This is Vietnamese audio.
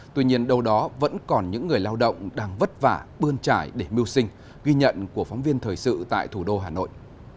tuy nhiên đâu đó vẫn còn những người lao động đang vất vả bươn trải để mưu sinh ghi nhận của phóng viên thời sự tại thủ đô hà nội